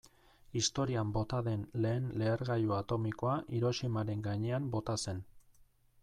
Historian bota den lehen lehergailu atomikoa Hiroshimaren gainean bota zen.